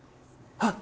あっ！